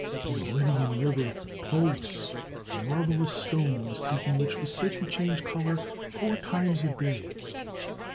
From the Lydian river Tmolus a marvellous stone was taken which was said to change color four times a day.